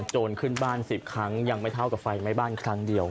โจรขึ้นบ้าน๑๐ครั้งยังไม่เท่ากับไฟไหม้บ้านครั้งเดียว